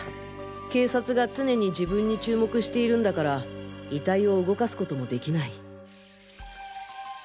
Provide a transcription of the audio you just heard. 警察が常に自分に注目しているんだから遺体を動かすこともできない。